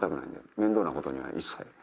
面倒なことには一切。